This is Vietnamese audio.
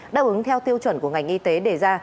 đáp ứng theo tiêu chuẩn của ngành y tế đề ra